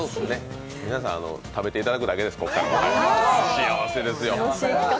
皆さん、食べていただくだけですから幸せですよ。